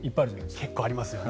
結構ありますよね。